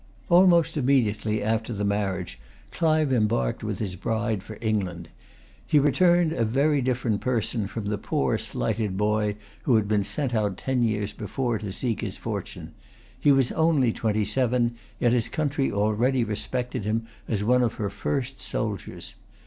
Almost immediately after the marriage, Clive embarked with his bride for England. He returned a very different person from the poor slighted boy who had been sent out ten years before to seek his fortune. He was only twenty seven; yet his country already respected him as one of her first soldiers.